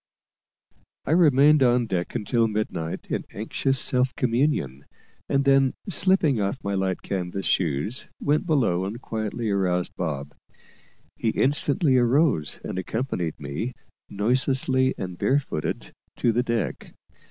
I remained on deck until midnight, in anxious self communion; and then, slipping off my light canvas shoes, went below and quietly aroused Bob. He instantly arose, and accompanied me, noiselessly and bare footed, to the deck.